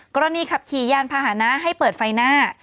กรณีขับขี่ยานพาหนะให้เปิดไฟหน้า